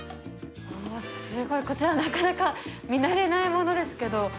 おすごいこちらなかなか見慣れないものですけど。